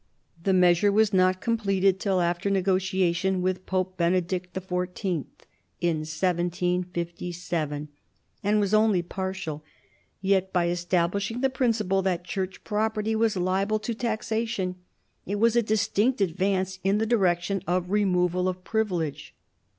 The measure was not completed till after negotiation with Pope Benedict XIV. in 1757, and was only partial ; yet, by establishing the principle that church property was liable to taxation, it was a distinct advance in the direction of removal of privilege.